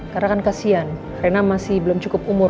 karena kan kasihan rena masih belum cukup umur